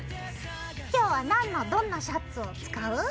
今日は何のどんなシャツを使う？